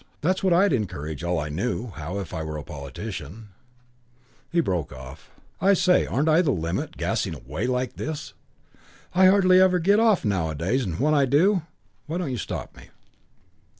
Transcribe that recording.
That's what I'd encourage all I knew how if I were a politician " He broke off. "I say, aren't I the limit, gassing away like this? I hardly ever get off nowadays and when I do! Why don't you stop me?"